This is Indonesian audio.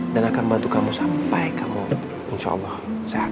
dan akan membantu kamu sampai kamu insya allah sehat